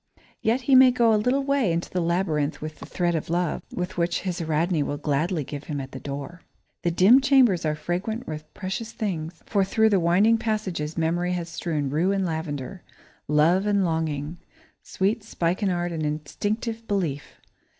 Yet he may go a little way into the labyrinth with the thread of love, which his Ariadne will gladly give him at the door. The dim chambers are fragrant with precious things, for through the winding passages Memory has strewn rue and lavender, love and longing; sweet spikenard and instinctive belief.